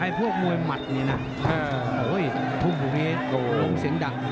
ไอ้พวกมวยมัดเนี่ยนะโอ้โหพุ่งพวกนี้โอ้โหเสียงดัง